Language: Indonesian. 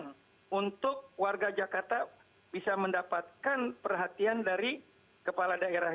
dan untuk warga jakarta bisa mendapatkan perhatian dari kepala daerah